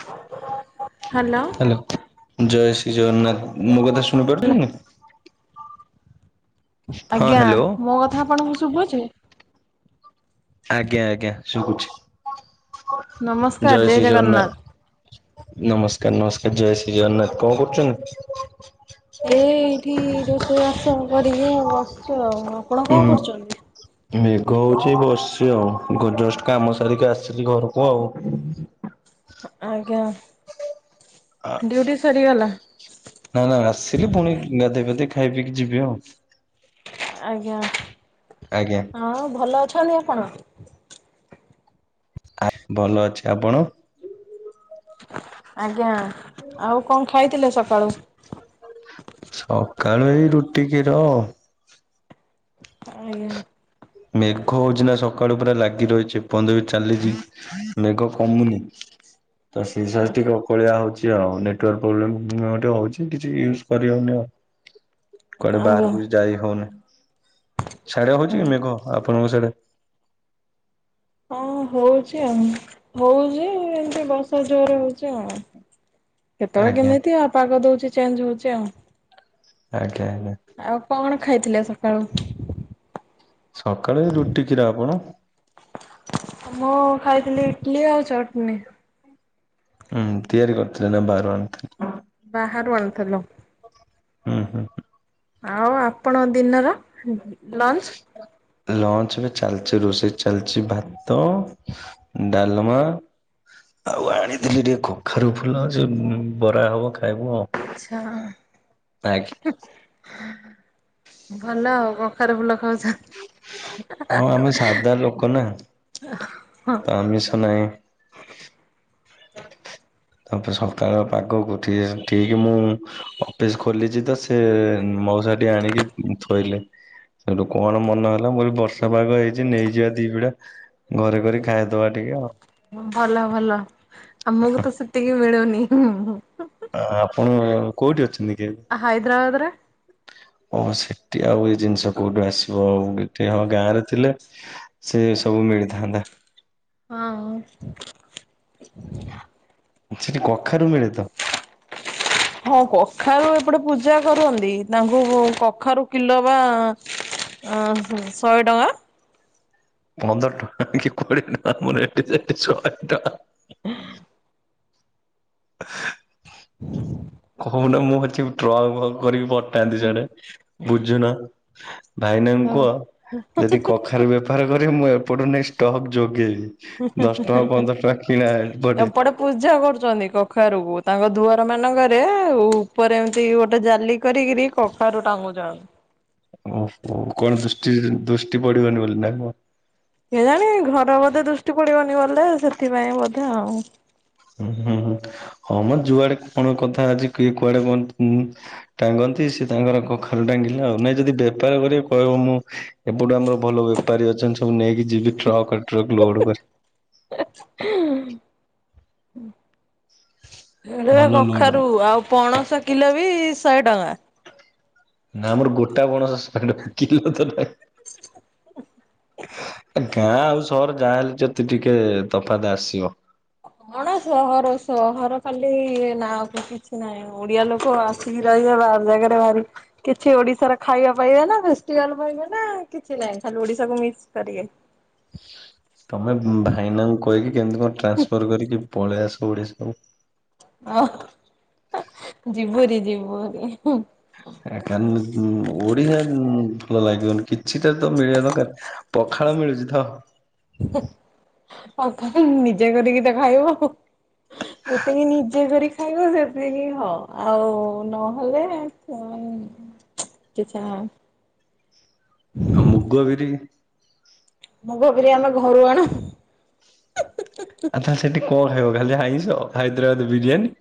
[inaudible] Hello. [unintelligible] ଜୟ ଶ୍ରୀ ଜଗନ୍ନାଥ। ମୋ କଥା ଶୁଣିପାରୁଚନି? ହଁ ଆଜ୍ଞା ହ୍ୟାଲୋ। ମୋ କଥା ଆପଣଙ୍କୁ ଶୁବୁଚି? ଆଜ୍ଞା ଆଜ୍ଞା ଶୁବୁଛି ନମସ୍କାର ଜୟ ଶ୍ରୀ ଜଗନ୍ନାଥ। ଜଗନ୍ନାଥ। ନମସ୍କାର ନମସ୍କାର ଜୟ ଶ୍ରୀ ଜଗନ୍ନାଥ। କଣ କରୁଚନ୍? ଏ ଏଇଠି ରୋଷେଇ ବାସ କରିକି ଆଉ ବସିଚୁ ଆଉ। ଆପଣ ଉଁ କଣ କରୁଚନ୍ତି? ମେଘ ହଉଚି ବସିଚି ଆଉ ଗ ଜଷ୍ଟ କାମ ସାରିକି ଆସିିଲି ଘରକୁ ଆଉ। ଆଜ୍ଞା ଡ୍ୟୁଟି ସରିଗଲା? ନାଁ ନାଁ ଆସିଲି ପୁଣି ଗାଧେଇ ପାଧେଇ ଖାଇ ପିଇକି ଯିବି ଆଉ। ଆଜ୍ଞା। ଆଜ୍ଞା। ହଁ ଭଲ ଅଛନ୍ତି ଆପଣ? ଆ ଭଲ ଅଛି। ଆପଣ? ଆଜ୍ଞା। ଆଉ କଣ ଖାଇଥିଲେ ସକାଳୁ? ସକାଳୁ ଏଇ ରୁଟି କ୍ଷୀର ଆଉଁ। ଆଜ୍ଞା। ମେଘ ହଉଚିନା ସକାଳୁ ପୁରା ଲାଗି ରହିଚି ଏପର୍ଯ୍ୟନ୍ତ ବି ଚାଲିଚି। ମେଘ କମୁନି। ତ ସେଇ ସକାଶେ ଟିକେ ଅକଳିଆ ହଉଚି ଆଉ ନେଟୱାର୍କ ପ୍ରୋବ୍ଲେମ ଟିକେ ହଉଚି କିଛି ୟୁଜ୍ କରିହଉନି ଆଉ। [inaudible] କୁଆଡେ ହଁ ହଁ ବାହାରକୁ ବି ଯାଇ ହଉନି ସାଡେ ହଉଚି କି ମେଘ ଆପଣଙ୍କ ସେଆଡେ? ହଁ ହଉଚି ଆଉ ହଉଚି ଏମିତି ବର୍ଷା ଜୋରେ ହଉଚି ଆଉ। କେତେବେଳେ ଆଜ୍ଞା କେମିତି ଆଉଁ ପାଗ ଦଉଚି ଚେଞ୍ଜ ହଉଚି ଆଉ। ଆଜ୍ଞା ଆଜ୍ଞା। ଆଉ କଣ ଖାଇଥିଲେ ସକାଳୁ? ସକାଳେ ଏରୁଟି କ୍ଷୀର। ଆପଣ? ମୁଁ ଖାଇଥିଲି ଇଟଲି ଆଉ ଚଟନୀ। ହୁଁ ତିଆରି କରିଥିଲେ ନାଁ ବାହାରୁ ଆଣିଥିଲେ? ବାହାରୁ ଆଣିଥେଲୁ। ହୁଁ ହୁଁ ଆଉ ଆପଣ ଦିନର ଲଞ୍ଚ? ଲଞ୍ଚ ରେ ଚାଲିଚି ରୋଷେଇ ଚାଲିଚି ଭାତ ଡାଲମା ଆଉ ଆଣିଥିଲି ଟିକେ କଖାରୁ ଫୁଲ ଯୋଉଁ ବରା ହବ ଖାଇବୁ ଆଉ। ଆଚ୍ଛା। ଆଜ୍ଞା ହୁଁ। ଭଲ ଆଉ କଖାରୁ ଫୁଲ ଖାଉଚ। ହଁ ଆମେ ସାଧା ଲୋକ ନାଁ। ତ ଆମିଷ ନାହିଁ। ତାପରେ ସକାଳ ପାଗକୁ ଠି ଠିକ୍ ମୁଁ ଅଫିସ ଖୋଲିଚି ତ ସେ ହୁଁ ହୁଁ ମଉସାଟିଏ ଆଣିକି ଥୋଇଲେ। ସେଠୁ କଣ ମନ ହେଲା ମୁଁ କହିଲି ବର୍ଷା ପାଗ ହେଇଚି ନେଇଯିବା ଦି ବିଡା। ଘରେ କରି ଖାଇଦବା ଟିକେ ଆଉ। ଭଲ ଭଲ ଆମକୁ ତ ସେତିକି ମିଳୁନି ଉ ହୁଁ ହୁଁ। ଆ ଆପଣ କୋଉଠି ଅଛନ୍ତି କି ଏବେ? ହାଇଦ୍ରାବାଦରେ ଓ ସେଠି ଆଉ ଏଇ ଜିନିଷ କୋଉଠୁଁ ଆସିବ ଆଉ ଏଠି ହଁ ଗାଁରେ ଥିଲେ ସେ ସବୁ ମିଳିଥାନ୍ତା। ହଁ ହଁ। ସେଠି କଖାରୁ ମିଳେ ତ? ହଁ କଖାରୁ ଏପଟେ ପୂଜା କରନ୍ତି ତାଙ୍କୁ କଖାରୁ କିଲୋ ବା ଅଁ ହଁ ଶହେ ଟଙ୍କା? ପନ୍ଦର ଟଙ୍କା କି କୋଡିଏ ଟଙ୍କା ମୋର ଏଠି ସେଠି ଶହେ ଟଙ୍କା। [unintelligible] [unintelligible] [unintelligible] କହୁନା ମୁଁ ଅଛି ଟ୍ରକ୍ କରିକି ପଟାନ୍ତି ସେଆଡ଼େ ବୁଝୁନ। ଭାଇନାଙ୍କୁ କୁହ ଯଦି କଖାରେ ବେ ବେପାର କରିିବେ ମୁଁ ଏପଟେ ନେଇ ଷ୍ଟକ୍ ଯୋଗେଇବି ଦଶ ଟଙ୍କା ପନ୍ଦର ଟଙ୍କା କିଣା ଏପଟେ। ପୂଜା କରୁଛନ୍ତି କଖାରୁକୁ ତାଙ୍କ ଦୁଆରମାନଙ୍କରେ ଉପରେ ଏମିତି ଗୋଟେ ଜାଲି କରିକିରି। କଖାରୁ ଟାଙ୍ଗୁ ଯାଣୁ ଓହୋ କଣ ଦୃଷ୍ଟି ଦୃଷ୍ଟି ପଡିବନି ବୋଲି ନା କଣ? କେଜାଣି ଘର ବୋଧେ ଦୃଷ୍ଟି ପଡିବନି ବୋଲେ ସେଥିପାଇଁ ବୋଧେ ଆଉ ହୁଁ ହୁଁ ହୁଁ ହଁ ମୋର ଯୁଆଡେ କଣ କଥା ଅଛି କିଏ କୁଆଡେ କଣ ହୁଅନ୍ତୁ। ଟାଙ୍ଗନ୍ତି ସେ ତାଙ୍କର କଖାରୁ ଟାଙ୍ଗିଲା ଆଉ ନାଇଁ ଯଦି ବେପାର କରିବେ କହିବ ମୁଁ ଏପଠୁ ଆମର ଭଲ ବେପାରୀ ଅଛନ୍ତି ସବୁ ନେଇକି ଯିବି ଟ୍ରକ୍ ଟ୍ରକ୍ ଲୋଡ କରି। ହେ ଭଲ ଲୋଡ ରୁ କଖାରୁ ଆଉ ପଣସ କିଲୋ ବି ଶହେ ଟଙ୍କା। ନା ଆମର ଗୋଟା ପଣସ ଶହେ କିଲୋ କଥା ଗାଁ ଆଉ ସହର ଯାହା ହେଲେ ଯତି ଟିକେ ତଫାତ ଆସିବ। କଣ ସହର ସହର ଖାଲି ନା କି କିଛି ନାହିଁ। ଓଡିଆ ଲୋକ ଆସିକି ରହିବେ ବାହାର ଜାଗାରେ ବାହାରି କିଛି ଓଡିଶାର ଖାଇବା ପାଇବେ ନା ଫେଷ୍ଭାଲ ପାଇବେ ନା କିଛି ନାାଇଁ ଖାଲି ଓଡିଶାକୁ ମିସ କରିବେ? ତମେ ଭାଇନାଙ୍କୁ କହିକି କେମିତି କଣ ଟ୍ରାନ୍ସଫର କରିକି ପଳେଇ ଆସ ଓଡିଶାକୁ। ହଁ ଯିବୁରି ଯିବୁରି କ ଓଡିଆ ଭଲ ଲାଗିବନି କିଛିଟା ତ ମିଳିବା ଦରକାର ପଖାଳ ମିଳୁଛି ତ? ଆଉ ନିଜେ କରିକି ତ ଖାଇବ ଆଉ ଏତେକି ନିଜେ କରି ଖାଇବ ସେତିକି ହ ଆଉ ନହେଲେ କି ଛା। ଆଉ ମୁଗ ବିରି। ମୁଗ ବିରି ଆମେ ଘରୁ ଆଣୁ। ଆଚ୍ଛା ସେଠି କଣ ଖାଇବ ଖାଲି ଆାଇସ ହାଇଦ୍ରାବାଦ ବିରିୟାନୀ।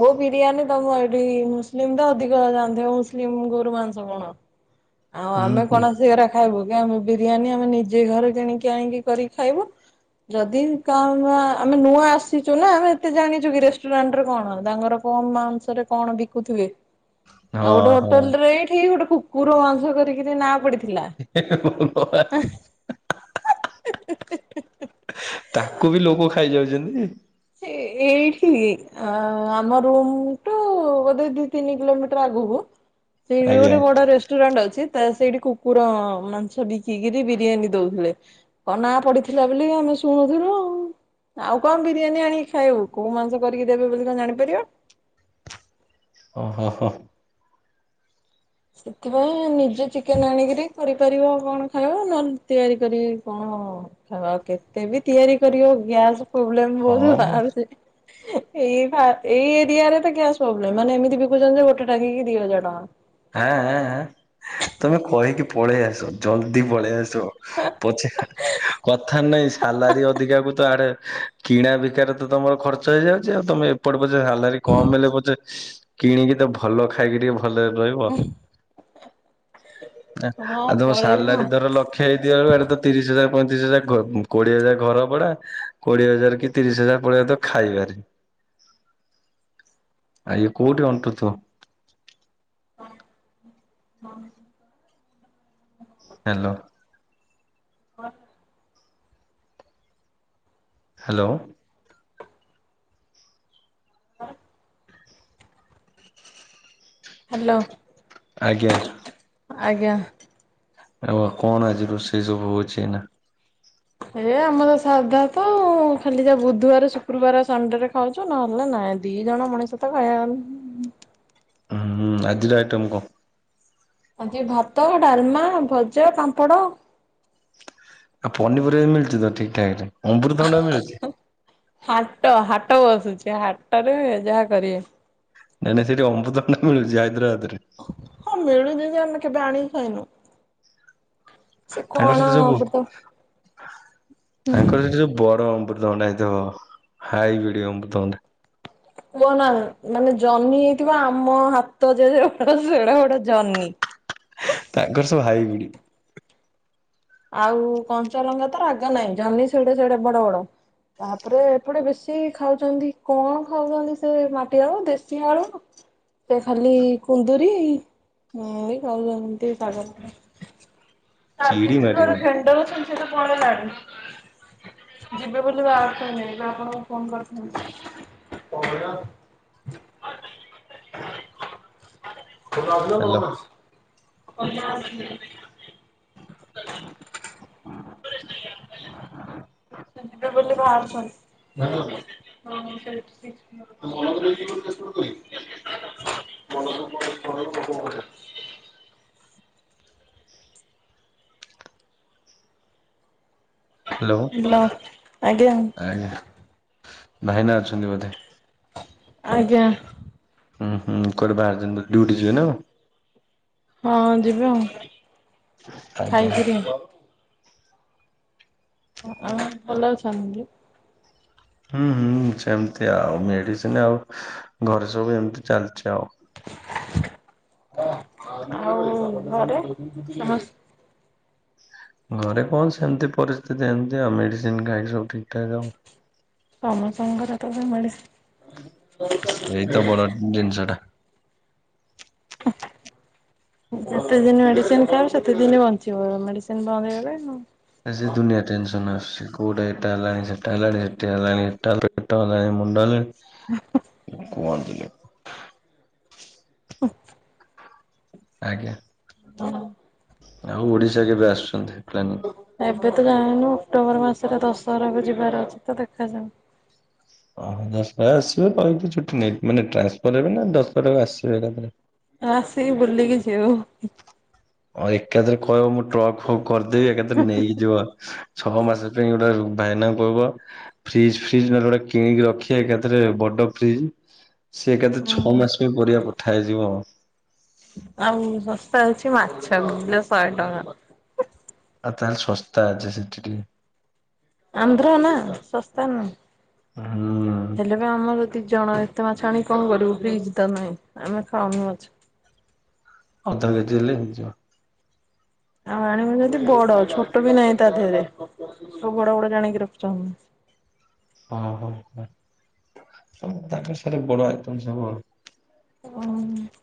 ହୋ ବିରିୟାନୀ ତମ ଏଠି ମୁସଲିମ ତ ଅଧିକ ଜାଣିଥିବ ମୁସଲିମ ଗୋରୁ ମାଂସ କଣ? ଆଉ ହୁଁ ଆମେ ହୁଁ କଣସେରା ଖାଇବୁ କି ଆମ ବିରିୟାନୀ ଆମେ ନିଜେ ଘରେ କିଣିକି ଆଣିକି କରି ଖାଇବୁ। ଯଦି କ ଆମେ ନୂଆ ଆସିଚୁ ନା ଆମେ ଏତେ ଜାଣିଚୁ କି ରେଷ୍ଟୁରାଣ୍ଟରେ କଣ ତାଙ୍କର? କମ୍ ମାଂସରେ କଣ ବିକୁଥିବେ। ହଁ ଆଉ ଗୋଟେ ହଁ ହୋଟେଲରେ ଠିକ ଗୋଟେ କୁକୁର ମାଂସ କରିକିରି ନା ପଡିଥିଲା। ତାକୁ ବି ଲୋକ ଖାଇଯାଉଛନ୍ତି। ଏଇ ଠିକ ଅ ଆମ ରୁମ ଟୁ ବୋଧେ ଦି ତିନି କିଲୋମିଟର ଆଗକୁ। ଏଠୁ ଆଜ୍ଞା ଗୋଟେ ବଡ଼ ରେଷ୍ଟ ରେଷ୍ଟୁ୍ରାନ୍ସ ଅଛି ସେଇଠି କୁକୁର ମାଂସ ବିକିକିରି ବିରିୟାନୀ ଦେଉଥିଲେ। କନା ପଡିଥିଲା ବୋଲି ଆମେ ଶୁଣୁଥିଲୁ ଆଉ କଣ ଭି ବିରିୟାନୀ ଆଣିକି ଖାଇବୁ କୋଉ ମାଂସ କରିକି ଦେବେ ବୋଲି କଣ ଜାଣିପାରିବ? ଓ ହୋ ହୋ ସେଥିପାଇଁ ନିଜେ ଚିକେନ୍ ଆଣିକିରି କରିପାରିବ କଣ ଖାଇବ ନହେଲେ ତିଆରି କରି କଣ ହବ। ହ କେତେ ବିି ତିଆରି କରିବ ଗ୍ୟାସ୍ ପ୍ରୋବ୍ଲେମ ହୋଉଛି ହଁ ନା ମ ବୋହୁତ୍ ଏଇ ଏଇ ଏରିଆରେ ତ ଗ୍ୟାସ୍ ପ୍ରୋବ୍ଲେମ୍ ମାନେ ଏମିତି ବିକୁଛନ୍ତି ଯେ ଗୋଟେ ଟଙ୍କିକୁ ଦି ହଜାର ଟଙ୍କା। ହଁ ତମେ କହିକି ପଳେଇ ଆସ ଜଲଦି ପଳେଇ ଆସ। ପଛେ କଥ ନାଇଁ ସାଲାରୀ ଅଧିକା କ ତ ଆଡେ କିଣା ବିକାରେ ତ ତମର ଖର୍ଚ୍ଚ ହେଇଯାଉଛି ଆଉ ତମେ ଏପଟ ପଛେ ସାଲାରୀ କମ ହେଲେ ପଛେ କିଣିକି ତ ଭଲ ଖାଇକି ଟିକେ ଭଲରେ ରହିବ। ଟଙ୍କା। ହଁ ଆ ତମ ପଳେଇବୁ ସାଲାରୀ ଧର ଲକ୍ଷ ହେଇଥିଲା ବେଳୁ ଇଆଡେ ତ ତିରିଶ ହଜାର ପଇଁତିରିଶ ହଜାର ଘ କୋଡ଼ିଏ ହାଜର ଘର ଭଡା। କୋଡିଏ ହଜାର କି ତିରିଶ ହଜାର ପଳେଇ ଯାଉଥିବ ଖାଇବାରେ। ଆ ଏ କୋଉଠି ଅଣ୍ଟୁ ଥବ। ହଁ। ହାଲୋ। ହାଲୋ। ହାଲୋ। ଆଜ୍ଞା। ଆଜ୍ଞା। ଆଉ କଣ ଆଜି ରୋଷେଇ ସବୁ ହଉଛି ଏଇନା? ହେ ଆମର ସାଧା ତ ଆଉ ଖାଲି ଯା ବୁଧବାର ଶୁକ୍ରବାର ସଣ୍ଡେ ରେ ଖାଉଛୁ ନହେଲେ ନାଇଁ ଦି ଜଣ ମଣିଷ ତ ଖାଇଆ ହୁଁ ହଁ ଆଜିର ଆଇଟମ କଣ? ଆଜି ଭାତ, ଡାଲମା, ଭଜା, ପାମ୍ପଡ଼। ଆଉ ପନିପରିବା ମିଳୁଛି ତ ଠିକ୍ ଠାକ୍ ରେ ଅମୃତଥଣ୍ଡା ମିଳୁଛି? ହାଟ ହାଟବସୁଛି ହାଟରେ ଯାହା କରିବେ। ନାଇଁ ସେଠି ଅମ୍ବୃତବଣ୍ଡା ମିଳୁଛି ହାଇଦ୍ରାବାଦରେ? ହଁ ମିଳୁଚି ଯେ ଆମେ କେବେ ଆଣିକି ଖାଇନୁ। ସେ ତାଙ୍କର କଣ ସେଠି ସବୁ ଆମ୍ବୃତ ହୁଁ। ତାଙ୍କର ସେଠି ସବୁ ବଡ ଅମ୍ବୃତଭଣ୍ଡା ହେଇଥିବ, ହାଇବ୍ରିଡ୍ ଅମ୍ବୃତଭଣ୍ଡା। କୁହ ନା ମାନେ ଜହ୍ନି ହେଇଥିବ ଆମ ହାତ ଯେତେ ବଡ଼ ସେଡେ ବଡ଼ ଜହ୍ନି। ତାଙ୍କର ସବୁ ହାଇବ୍ରିଡ୍। ଆଉ କଞ୍ଚଲଙ୍କା ତ ରାଗ ନାହିଁ ଜହ୍ନି ସେଡ଼େ ସେଡ଼େ ବଡ ବଡ। ତାପରେ ଏପଟେ ବେଶୀ ଖାଉଛନ୍ତି କଣ ଖାଉଛନ୍ତି ସେ ମାଟି ଆଳୁ ଦେଶୀ ଆଳୁ। ସେ ଖାଲି କୁନ୍ଦୁରି ଏ ଖାଉଛନ୍ତି ଶାଗ। ଚିଡି ମାରିବନି [unintelligible] ଯିବେ ବୋଲି ବାହାରୁଥିଲେ ଆପଣଙ୍କୁ ଫୋନ କରିଛନ୍ତି। ହାଲୋ [unintelligible] [unintelligible] ସେ ଯିବେ ବୋଲି ବାହାରୁଛନ୍ତି ହଁ ସେଇଟୁ ସେ। [unintelligible] ହାଲୋ। ହାଲୋ, ଆଜ୍ଞା। ଆଜ୍ଞା। ଭାଇନା ଅଛନ୍ତି ବୋଧେ? ଆଜ୍ଞା। ହୁଁ ହୁଁ କୋଆଡ଼େ ବାହାରିଛନ୍ତି ଡ୍ୟୁଟି ଯିବେ ନା କଣ? ହଁ ଯିବେ ଆଉ ଆଜ୍ଞା। ଖାଇକିରି। ହଁ ଆପଣ ଭଲ ଅଛନ୍ତି କି? ହୁଁ ହୁଁ ସେମିତି ଆଉ ମେଡିସିନ ଆଉ ଘରେ ସବୁ ଏମତି ଚାଲିଛି ଆଉ। ଆଉ ଘରେ ସମ ଘରେ କଣ ସେମିତି ପରିସ୍ଥିତି ଏମିତି ଆଉ ମେଡ଼ିସିନ ଖାଇକି ସବୁ ଠିକ୍ ଠାକ୍ ଆଉ। ସମସ୍ତଙ୍କର ତ ମେଡ଼ିସିନ୍? ସେଇତ ବଡ ଜି ଜିନିଷନା। [unintelligible] ଯେତେ ଦିନ ମେଡିସିନ ଖାଇବ ସେତେ ଦିନ ବଞ୍ଚିବ ମେଡିସିନ ବନ୍ଦେଇଗଲେ। ଆ ସେ ଦୁନିଆ ଟେନସନ୍ ଆସଛି କଉଟା ଏଟା ହେଲାଣି ସେଟା ହେଲାଣି ସେଠି ହେଲାଣି ଏଟା ପେଟ ହେଲାଣି ମୁଣ୍ଡ ହେଲା। କୁହନ୍ତି। ହଁ। ଆଜ୍ଞା। [inaudible] ଆଉ ଓଡିଶା କେବେ ଆସୁଚନ୍ତି ପ୍ଲାନ୍ ଏବେ ତ ଯାଇନୁ ଅକ୍ଟୋବର ମାସରେ ଦଶହରାକୁ ଯିବାର ଅଛି ତ ଦେଖାଯାଉ। ଓହୋ ଦଶହରାରେ ଆସିବେ କାଇଁକି ଛୁଟି ନେଇ ମାନେ ଟ୍ରାନ୍ସଫର ହେବେ ନା ଦଶହରାକୁ ଆସିବେ ଏକାଥରେ ଆସିକି ବୁଲିକି ଯିବୁ। ଆଉ ଏକାଥେରେ କହିବ ମୁଁ ଟ୍ରକ ଫକ୍ କରିଦେବି ଏକାଥେରେ ନେଇକି ଯିବ। ଛଅ ମାସେ ଯାଏଁ ଏଇନା ବାଇନାଙ୍କୁ କଇବ ଫ୍ରିଜ୍ ଫ୍ରିଜ୍ ନହେଲେ ଗୋଟେ କିଣିକି ରଖିବେ ଏକାଥେରେ ବଡ ଫ୍ରିଜ୍ ସିଏ କେତେ ଛଅ ମାସ ପାଇଁ ପରିବା ପଠା ହେଇଯିବ। ଆଉ ଶସ୍ତା ଅଛି ମାଛ ବି କିଲ ଶଏ ଟଙ୍କା। ଆଉ ତାହେଲେ ଶସ୍ତା ଅଛି ସେଠି ଟିକେ ଆନ୍ଦ୍ର ନା ଶସ୍ତା ନୁଏଁ ହୁଁ ହେଲୋ ବେ ଆମର ଦି ଜଣ ଏତେ ମାଛ ଆଣିକି କଁ କରିବୁ ଫ୍ରିଜ୍ ତ ନାଇଁ ଆମେ ଖାଉନି ମାଛ। ଅଧ କେଜି ହେଲେ ହେଇଯିବ। ଆଉ ଆଣିବ ଯଦି ବଡ ଛୋଟ ବି ନାଇଁ ତା ଧିଏରେ ସବୁ ବଡ ବଡ ଜାଣିକି ରଖି ହଁ ହଁ ହଁ ସବୁ ତାଙ୍କ ସାଡେ ବଡ ଆଇଟମ୍ ସବୁ [unintelligible]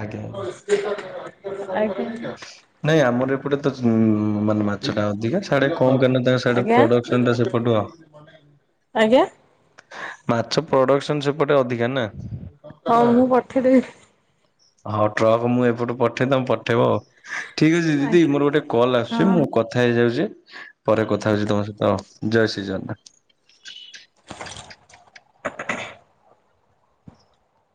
ଆଜ୍ଞା ଆଜ୍ଞା। ନାଇଁ ଆମର ଏ ପଟେ ତ ଯ ଉଁ ମାନେ ମାଛଟା ଅଧିକା ସାଡେ କମ୍ କାଇଁ ନା ତାଙ୍କ ସାଡେ ଆଜ୍ଞା ପ୍ରଡକ୍ସନଟା ସେପଟୁ ଆଉ ଆଜ୍ଞା। ମାଛ ପ୍ରଡକ୍ସନ୍ ସେପଟେ ଅଧିକା ନା। ହଉ ମୁଁ ପଠେଇଦେବି। ହଉ ଟ୍ରକ୍ ମୁଁ ଏପଟୁ ପଠେଇ ତମେ ପଠେଇବ ଆଉ ଠକ୍ ଅଛି ଦିଦି ଆଜ୍ଞା ମୋର ଗୋଟେ କଲ୍ ଆସୁଚି ହଁ। ମୁଁ କଥା ହେଇଯାଉଚି ପରେ କଥା ହଉଚି ତମ ସହିତ ଜୟ ଶ୍ରୀଜଗନ୍ନାଥ।